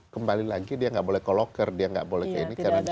kembali lagi dia tidak boleh ke locker dia tidak boleh ke ini ke sana ke situ